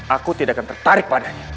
aku tidak akan tertarik padanya